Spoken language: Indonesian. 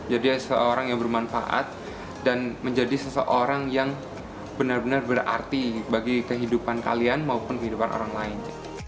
jadi seorang yang bermanfaat dan menjadi seseorang yang benar benar berarti bagi kehidupan kalian maupun kehidupan orang lain